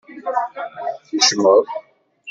Tkecmeḍ.